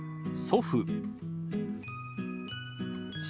祖父。